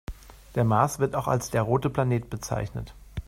Der Mars wird auch als der „rote Planet“ bezeichnet.